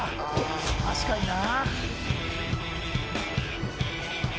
確かにな。